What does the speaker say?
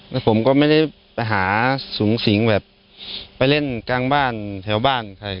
แล้วผมก็ไม่ได้ไปหาสูงสิงแบบไปเล่นกลางบ้านแถวบ้านใคร